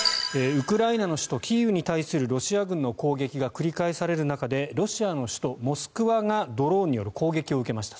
ウクライナの首都キーウに対するロシア軍の攻撃が繰り返される中でロシアの首都モスクワがドローンによる攻撃を受けました。